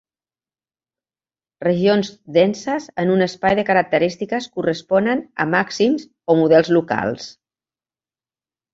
Regions denses en un espai de característiques corresponen a màxims o modes locals.